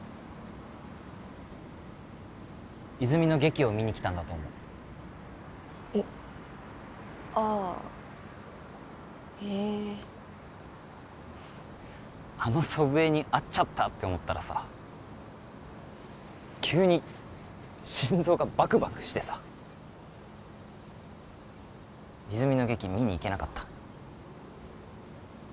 泉の劇を見に来たんだと思うえっああへえあの祖父江に会っちゃったって思ったらさ急に心臓がバクバクしてさ泉の劇見に行けなかった